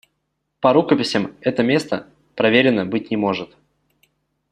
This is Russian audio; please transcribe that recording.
По рукописям это место проверено быть не может.